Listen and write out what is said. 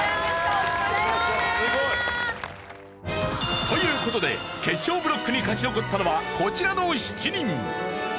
お疲れさまです。という事で決勝ブロックに勝ち残ったのはこちらの７人。